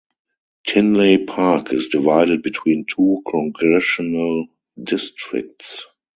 Tinley Park is divided between two congressional districts.